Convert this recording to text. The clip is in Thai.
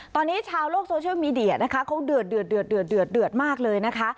ตอนนี้ชาวโลกโซเชียลมีเดียนะคะเขาเดือดเดือดเดือดเดือดเดือดเดือดมากเลยนะคะ